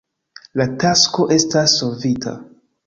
La tasko estas solvita.